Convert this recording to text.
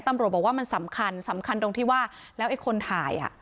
ตำรวจบอกว่ามันสำคัญสำคัญตรงที่ว่าแล้วไอ้คนถ่ายอ่ะ